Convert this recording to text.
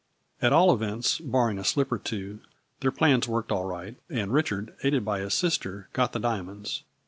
" At all events, barring a slip or two, their plans worked all right, and Richard, aided by his sister, got the diamonds.